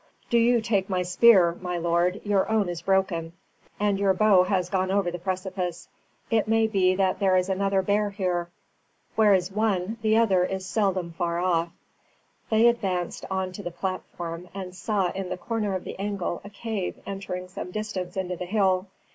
"Do you take my spear, my lord; your own is broken, and your bow has gone over the precipice. It may be that there is another bear here. Where one is, the other is seldom far off." They advanced on to the platform, and saw in the corner of the angle a cave entering some distance into the hill.